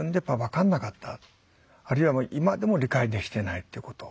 あるいは今でも理解できてないってこと。